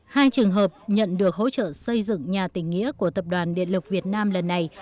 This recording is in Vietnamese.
hai trường hợp nhận được hỗ trợ xây dựng nhà tỉnh nghĩa của tập đoàn điện lực việt nam lần này